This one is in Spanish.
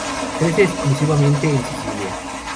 Crece exclusivamente en Sicilia.